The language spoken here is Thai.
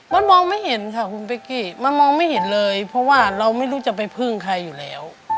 มันมองไม่เห็นค่ะคุณเป๊กกี้มันมองไม่เห็นเลยเพราะว่าเราไม่รู้จะไปพึ่งใครอยู่แล้ว